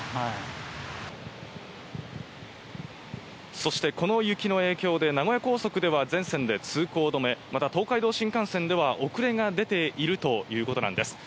そして、この雪の影響で名古屋高速では全線で通行止め、また東海道新幹線では遅れが出ているということです。